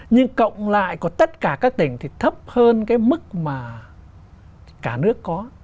nhưng cộng lại của tất cả các tỉnh thì thấp hơn cái mức mà cả nước có